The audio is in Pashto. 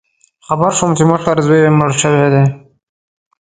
خبر شوم چې مشر زوی یې مړ شوی